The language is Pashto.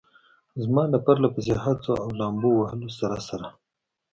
زما له پرله پسې هڅو او لامبو وهلو سره سره.